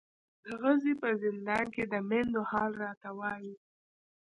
د غزې په زندان کې د میندو حال راته وایي.